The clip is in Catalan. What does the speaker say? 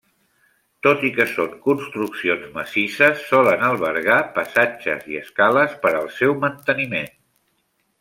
Tot i que són construccions massisses, solen albergar passatges i escales per al seu manteniment.